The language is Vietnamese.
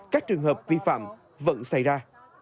các trường hợp vi phạm vẫn xảy ra